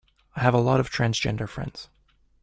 I have a lot of transgender friends